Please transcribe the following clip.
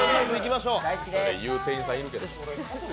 言う店員さんいるけど。